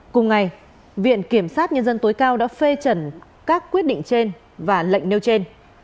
cùng ngày viện kiểm sát nhân dân tối cao đã phê chuẩn các quyết định trên và lệnh nêu trên